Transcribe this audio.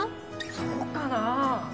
そうかな？